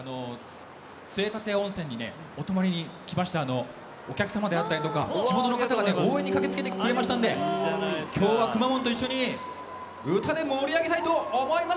杖立温泉にお泊まりに来ましたお客様であったりとか地元の方がね応援に駆けつけてくれましたんで今日はくまモンと一緒に歌で盛り上げたいと思いますぜ！